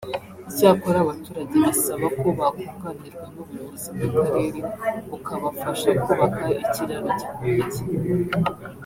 Icyakora abaturage basaba ko bakunganirwa n’ubuyobozi bw’akarere bukabafasha kubaka ikiraro gikomeye